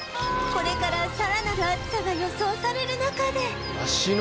これからさらなる暑さが予想される中で